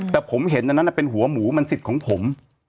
แต่ผมเห็นอันนั้นเป็นหัวหมูมันสิทธิ์ของผม